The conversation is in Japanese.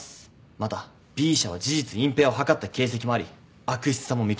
またＢ社は事実隠蔽を図った形跡もあり悪質さも認められます。